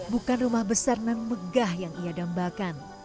bukan rumah besar non megah yang ia dambakan